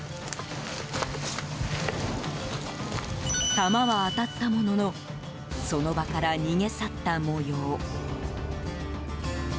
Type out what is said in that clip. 弾は当たったもののその場から逃げ去った模様。